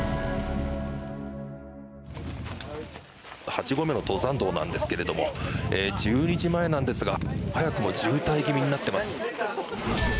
８合目の登山道なんですけれども１２時前なんですが早くも渋滞気味になっています。